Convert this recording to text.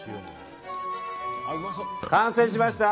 完成しました！